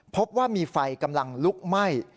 พบว่ามีไฟกำลังลุกไหม้